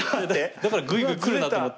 だからグイグイくるなと思って。